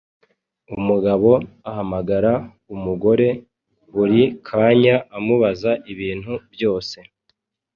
umugabo ahamagara umugore buri kanya amubaza ibintu byose.